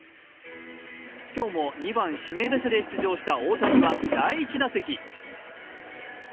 今日も２番・指名打者で出場した大谷は第１打席。